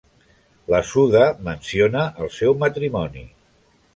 La Suda menciona el seu matrimoni.